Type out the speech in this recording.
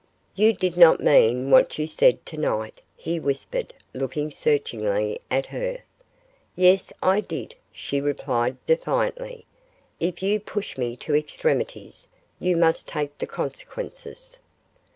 'You did not mean what you said tonight,' he whispered, looking searchingly at her. 'Yes, I did,' she replied, defiantly; 'if you push me to extremities, you must take the consequences.